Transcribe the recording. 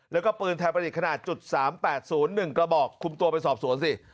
แล้วก็ปืนไทยประดิษฐ์ขนาด๓๘๐๑กระบอกคุมตัวไปสอบสวนสิ